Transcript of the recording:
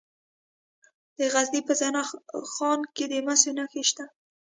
د غزني په زنه خان کې د مسو نښې شته.